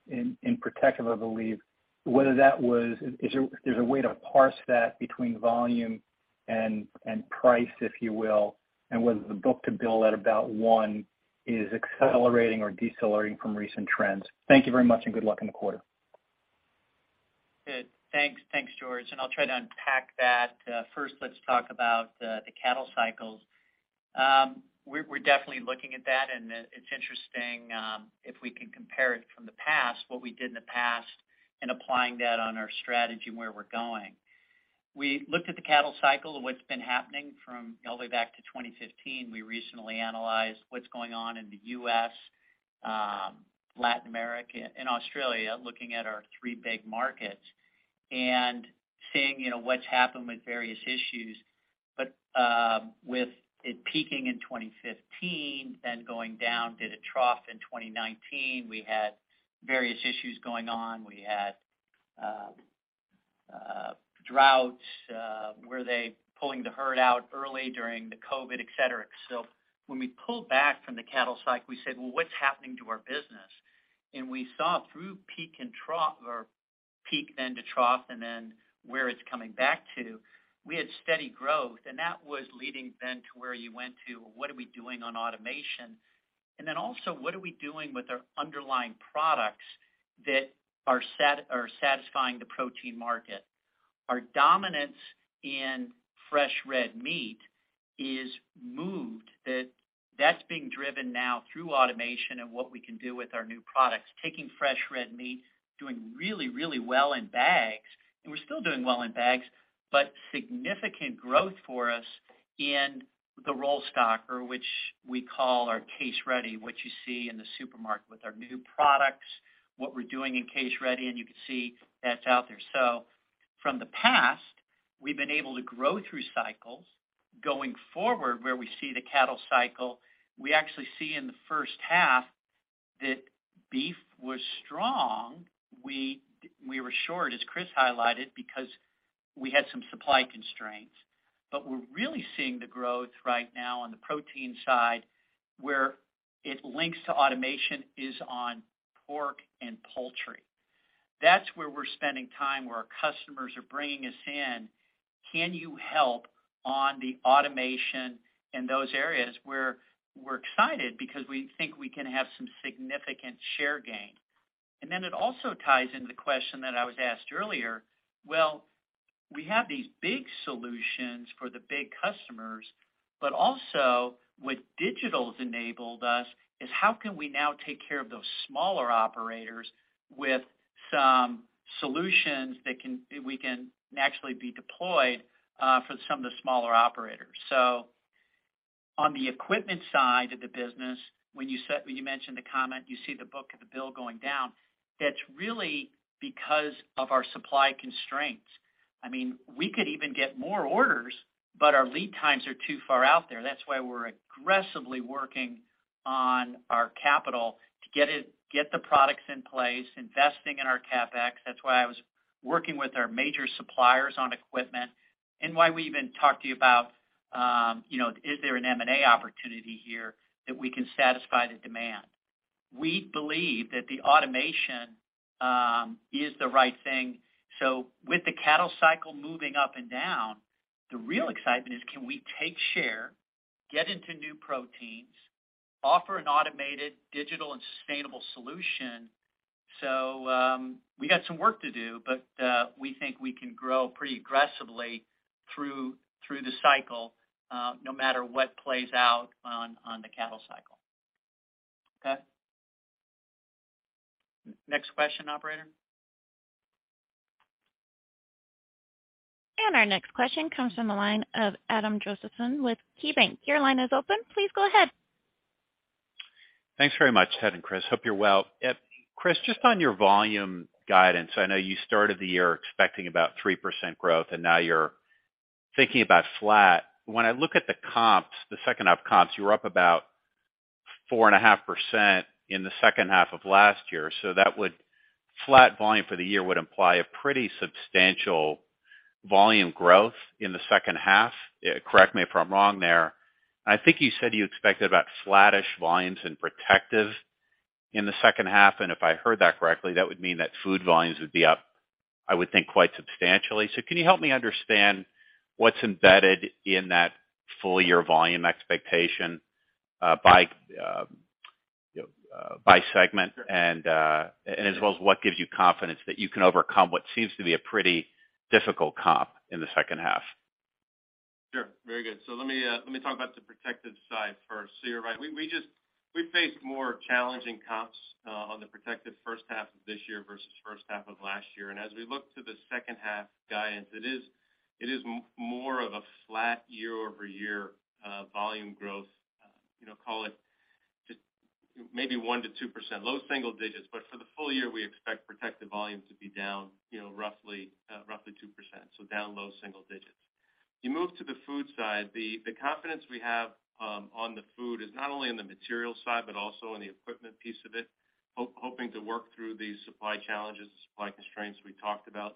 in Protective, I believe, is there a way to parse that between volume and price, if you will, and whether the book-to-bill at about 1 is accelerating or decelerating from recent trends? Thank you very much, and good luck in the quarter. Thanks. Thanks, George, and I'll try to unpack that. First, let's talk about the cattle cycles. We're definitely looking at that, and it's interesting if we can compare it from the past, what we did in the past and applying that on our strategy and where we're going. We looked at the cattle cycle and what's been happening from all the way back to 2015. We recently analyzed what's going on in the U.S., Latin America, and Australia, looking at our three big markets and seeing, you know, what's happened with various issues. With it peaking in 2015 then going down, hit a trough in 2019. We had various issues going on. We had droughts. They were pulling the herd out early during the COVID, et cetera. When we pulled back from the cattle cycle, we said, "Well, what's happening to our business?" We saw through peak and trough or peak then to trough, and then where it's coming back to, we had steady growth. That was leading then to where you went to, what are we doing on automation? Then also, what are we doing with our underlying products that are satisfying the protein market? Our dominance in fresh red meat is moved. That's being driven now through automation and what we can do with our new products. Taking fresh red meat, doing really, really well in bags, and we're still doing well in bags. Significant growth for us in the rollstock, or which we call our case-ready, which you see in the supermarket with our new products, what we're doing in case-ready, and you can see that's out there. From the past, we've been able to grow through cycles. Going forward, where we see the cattle cycle, we actually see in the first half that beef was strong. We were short, as Chris highlighted, because we had some supply constraints. We're really seeing the growth right now on the protein side, where it links to automation is on pork and poultry. That's where we're spending time, where our customers are bringing us in. Can you help on the automation in those areas where we're excited because we think we can have some significant share gain? It also ties into the question that I was asked earlier. Well, we have these big solutions for the big customers, but also what digital's enabled us is how can we now take care of those smaller operators with some solutions that can actually be deployed for some of the smaller operators. On the equipment side of the business, when you mentioned the comment, you see the book-to-bill going down, that's really because of our supply constraints. I mean, we could even get more orders, but our lead times are too far out there. That's why we're aggressively working on our capital to get the products in place, investing in our CapEx. That's why I was working with our major suppliers on equipment and why we even talked to you about, you know, is there an M&A opportunity here that we can satisfy the demand. We believe that the automation is the right thing. With the cattle cycle moving up and down, the real excitement is can we take share, get into new proteins, offer an automated digital and sustainable solution. We got some work to do, but we think we can grow pretty aggressively through the cycle, no matter what plays out on the cattle cycle. Okay. Next question, operator. Our next question comes from the line of Adam Josephson with KeyBanc Capital Markets. Your line is open. Please go ahead. Thanks very much, Ted and Chris. Hope you're well. Chris, just on your volume guidance, I know you started the year expecting about 3% growth, and now you're thinking about flat. When I look at the comps, the second half comps, you were up about 4.5% in the second half of last year. So that would flat volume for the year would imply a pretty substantial volume growth in the second half. Correct me if I'm wrong there. I think you said you expected about flattish volumes in Protective in the second half. If I heard that correctly, that would mean that Food volumes would be up, I would think, quite substantially. Can you help me understand what's embedded in that full-year volume expectation, you know, by segment and as well as what gives you confidence that you can overcome what seems to be a pretty difficult comp in the second half? Sure. Very good. Let me talk about the protective side first. You're right. We face more challenging comps on the protective first half of this year versus first half of last year. As we look to the second half guidance, it is more of a flat year-over-year volume growth. You know, call it just maybe 1%-2%, low single digits. For the full year, we expect protective volumes to be down, you know, roughly 2%, so down low single digits. You move to the food side, the confidence we have on the food is not only in the material side, but also in the equipment piece of it, hoping to work through these supply challenges and supply constraints we talked about.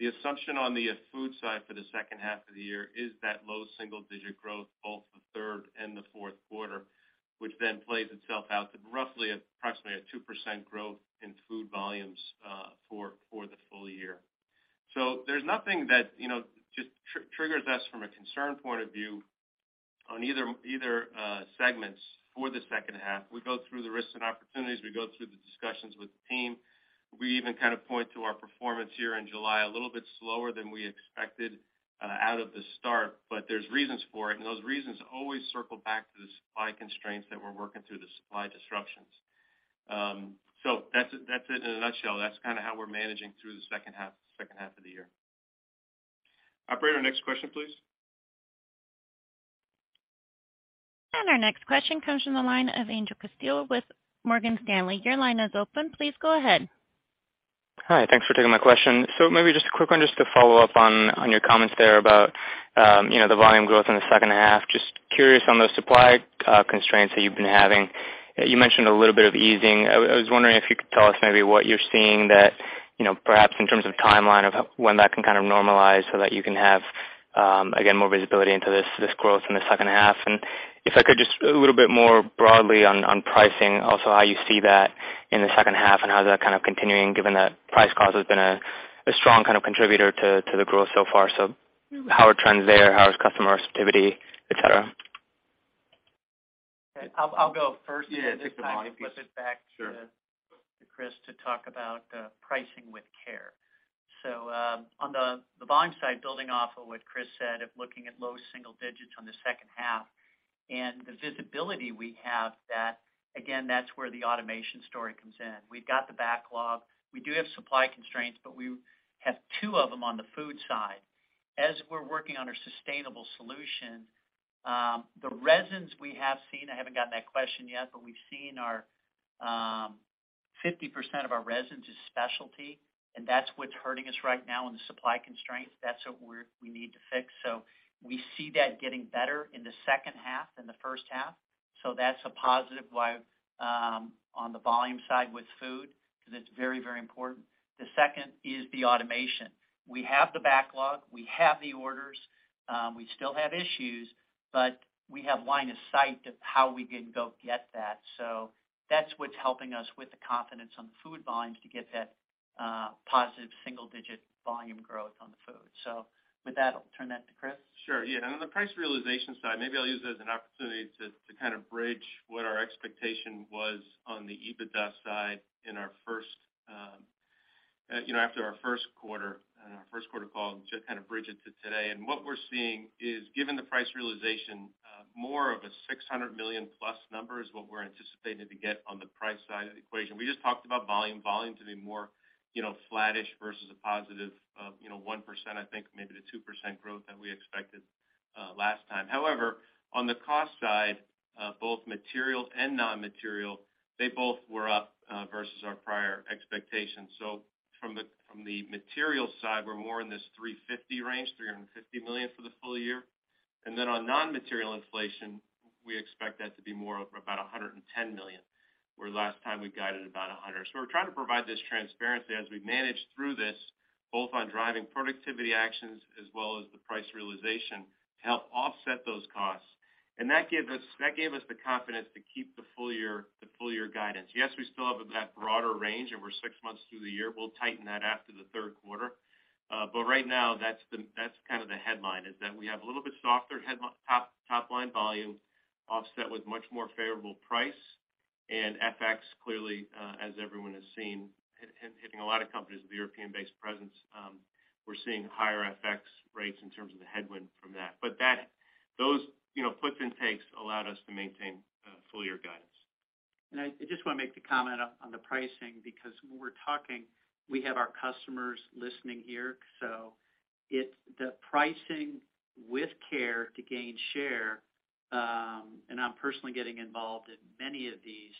The assumption on the food side for the second half of the year is that low single-digit growth, both the third and the fourth quarter, which then plays itself out to roughly approximately a 2% growth in food volumes for the full year. There's nothing that just triggers us from a concern point of view on either segments for the second half. We go through the risks and opportunities. We go through the discussions with the team. We even kind of point to our performance here in July, a little bit slower than we expected out of the gate, but there's reasons for it, and those reasons always circle back to the supply constraints that we're working through, the supply disruptions. That's it in a nutshell. That's kinda how we're managing through the second half of the year. Operator, next question, please. Our next question comes from the line of Angel Castillo with Morgan Stanley. Your line is open. Please go ahead. Hi. Thanks for taking my question. Maybe just a quick one just to follow up on your comments there about, you know, the volume growth in the second half. Just curious on those supply constraints that you've been having. You mentioned a little bit of easing. I was wondering if you could tell us maybe what you're seeing that, you know, perhaps in terms of timeline of when that can kind of normalize so that you can have, again, more visibility into this growth in the second half. If I could, just a little bit more broadly on pricing, also how you see that in the second half and how is that kind of continuing given that price cost has been a strong kind of contributor to the growth so far. How are trends there? How is customer activity, et cetera? I'll go first. Yeah, take the volume piece. Sure. Kind of flip it back to Chris to talk about pricing with care. On the volume side, building off of what Chris said of looking at low single digits on the second half and the visibility we have that, again, that's where the automation story comes in. We've got the backlog. We do have supply constraints, but we have two of them on the food side. As we're working on our sustainable solution, the resins we've seen, I haven't gotten that question yet, but we've seen our 50% of our resins is specialty, and that's what's hurting us right now in the supply constraints. That's what we need to fix. We see that getting better in the second half than the first half. That's a positive Y, on the volume side with food 'cause it's very, very important. The second is the automation. We have the backlog, we have the orders. We still have issues, but we have line of sight to how we can go get that. That's what's helping us with the confidence on the food volumes to get that, positive single-digit volume growth on the food. With that, I'll turn that to Chris. Sure. Yeah. On the price realization side, maybe I'll use it as an opportunity to kind of bridge what our expectation was on the EBITDA side in our first quarter call and just kind of bridge it to today. What we're seeing is, given the price realization, more of a $600 million-plus number is what we're anticipating to get on the price side of the equation. We just talked about volume. Volume to be more, you know, flattish versus a positive of, you know, 1%, I think maybe to 2% growth that we expected last time. However, on the cost side, both materials and non-material, they both were up versus our prior expectations. From the material side, we're more in this $350 million range for the full year. On non-material inflation, we expect that to be more of about $110 million, where last time we guided about $100. We're trying to provide this transparency as we manage through this, both on driving productivity actions as well as the price realization to help offset those costs. That gave us the confidence to keep the full year guidance. Yes, we still have that broader range, and we're six months through the year. We'll tighten that after the third quarter. Right now that's kind of the headline, is that we have a little bit softer top line volume offset with much more favorable price. FX clearly, as everyone has seen, hitting a lot of companies with European-based presence, we're seeing higher FX rates in terms of the headwind from that. Those, you know, puts and takes allowed us to maintain full year guidance. I just wanna make the comment on the pricing because when we're talking, we have our customers listening here. It's the pricing with care to gain share, and I'm personally getting involved in many of these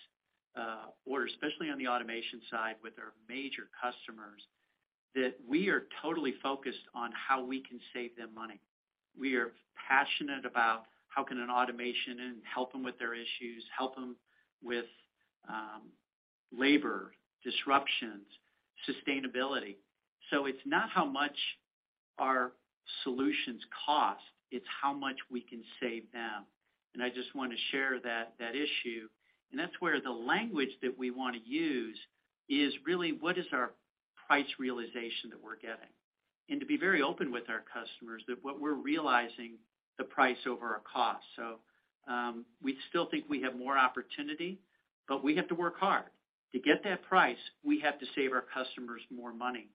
orders, especially on the automation side with our major customers, that we are totally focused on how we can save them money. We are passionate about how can automation help them with their issues, help them with labor disruptions, sustainability. It's not how much our solutions cost, it's how much we can save them. I just want to share that issue. That's where the language that we wanna use is really what is our price realization that we're getting, and to be very open with our customers that what we're realizing the price over our cost. We still think we have more opportunity. We have to work hard. To get that price, we have to save our customers more money,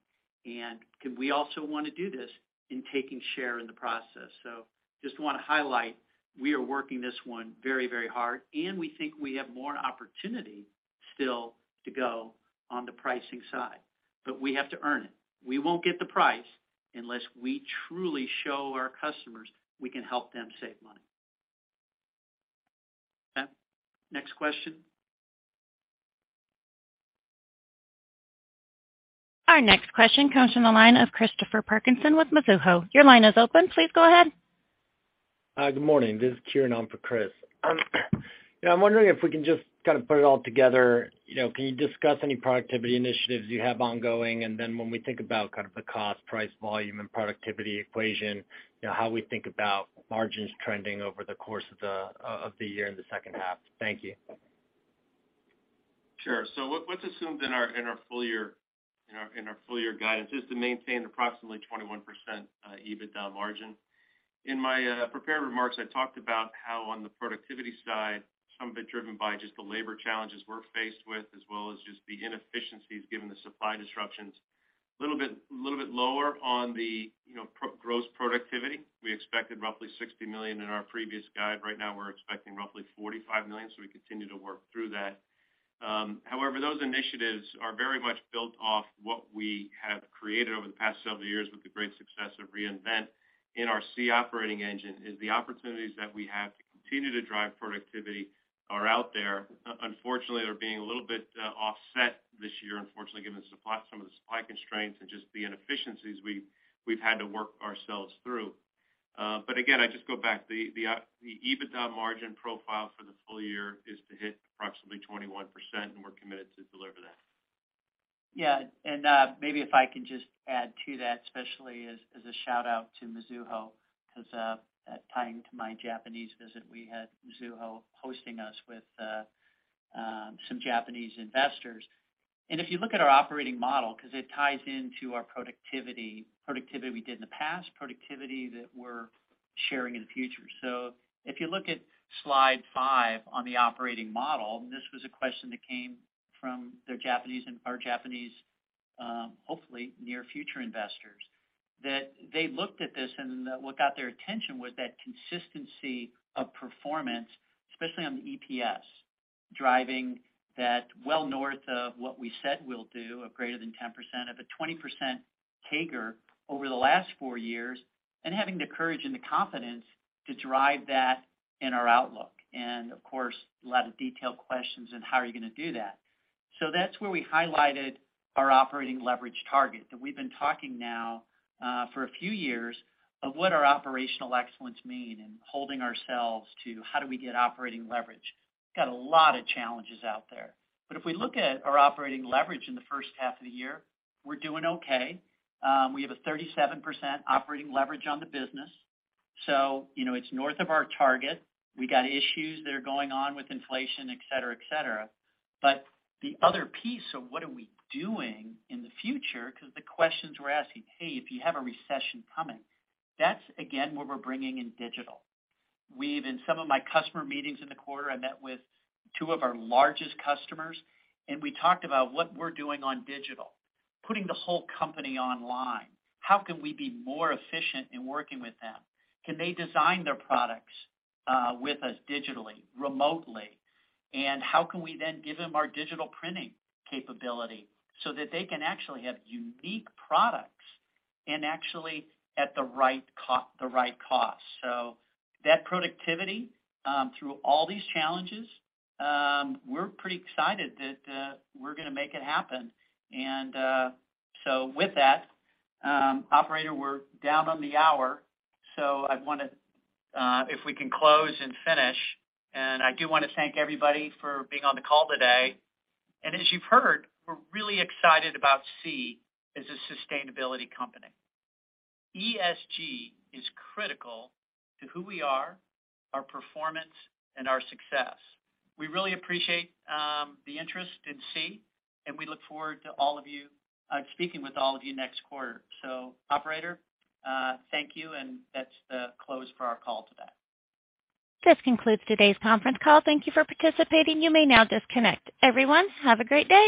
and we also wanna do this in taking share in the process. Just wanna highlight, we are working this one very, very hard, and we think we have more opportunity still to go on the pricing side. We have to earn it. We won't get the price unless we truly show our customers we can help them save money. Okay, next question. Our next question comes from the line of Christopher Parkinson with Mizuho. Your line is open. Please go ahead. Good morning. This is Kieran on for Chris. You know, I'm wondering if we can just kinda put it all together. You know, can you discuss any productivity initiatives you have ongoing? When we think about kind of the cost, price, volume, and productivity equation, you know, how we think about margins trending over the course of the year in the second half. Thank you. Sure. What's assumed in our full year guidance is to maintain approximately 21% EBITDA margin. In my prepared remarks, I talked about how on the productivity side, some of it driven by just the labor challenges we're faced with, as well as just the inefficiencies given the supply disruptions. Little bit lower on the, you know, pro-gross productivity. We expected roughly $60 million in our previous guide. Right now, we're expecting roughly $45 million, so we continue to work through that. However, those initiatives are very much built off what we have created over the past several years with the great success of Reinvent and our SEE Operating Engine. It's the opportunities that we have to continue to drive productivity are out there. Unfortunately, they're being a little bit offset this year, unfortunately, given some of the supply constraints and just the inefficiencies we've had to work ourselves through. Again, I just go back. The EBITDA margin profile for the full year is to hit approximately 21%, and we're committed to deliver that. Yeah. Maybe if I can just add to that, especially as a shout-out to Mizuho, 'cause tying to my Japanese visit, we had Mizuho hosting us with some Japanese investors. If you look at our operating model, 'cause it ties into our productivity we did in the past, productivity that we're sharing in the future. If you look at slide five on the operating model, this was a question that came from the Japanese and our Japanese hopefully near future investors, that they looked at this and what got their attention was that consistency of performance, especially on the EPS, driving that well north of what we said we'll do of greater than 10% of a 20% CAGR over the last 4 years, and having the courage and the confidence to drive that in our outlook. Of course, a lot of detailed questions on how are you gonna do that. That's where we highlighted our operating leverage target that we've been talking now for a few years of what our operational excellence mean and holding ourselves to how do we get operating leverage. Got a lot of challenges out there. If we look at our operating leverage in the first half of the year, we're doing okay. We have a 37% operating leverage on the business, so you know, it's north of our target. We got issues that are going on with inflation, et cetera, et cetera. The other piece of what are we doing in the future, 'cause the questions we're asking, "Hey, if you have a recession coming," that's again where we're bringing in digital. In some of my customer meetings in the quarter, I met with two of our largest customers, and we talked about what we're doing on digital, putting the whole company online. How can we be more efficient in working with them? Can they design their products with us digitally, remotely? How can we then give them our digital printing capability so that they can actually have unique products and actually at the right cost? That productivity through all these challenges, we're pretty excited that we're gonna make it happen. With that, operator, we're down on the hour, so I wanna if we can close and finish, and I do wanna thank everybody for being on the call today. As you've heard, we're really excited about SEE as a sustainability company. ESG is critical to who we are, our performance, and our success. We really appreciate the interest in SEE, and we look forward to all of you speaking with all of you next quarter. Operator, thank you, and that's the close for our call today. This concludes today's conference call. Thank you for participating. You may now disconnect. Everyone, have a great day.